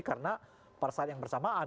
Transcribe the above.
karena pada saat yang bersamaan